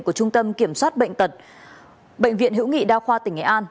của trung tâm kiểm soát bệnh tật bệnh viện hữu nghị đa khoa tỉnh nghệ an